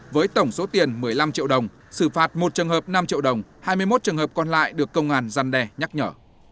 với tổng số tiền một mươi năm triệu đồng xử phạt một trường hợp năm triệu đồng hai mươi một trường hợp còn lại được công an răn đe nhắc nhở